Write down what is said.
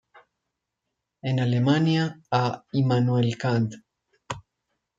En Alemania, a Immanuel Kant.